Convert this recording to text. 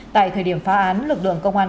tại thời điểm phá án lực lượng công an